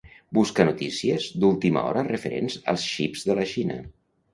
Busca notícies d'última hora referents als xips de la Xina.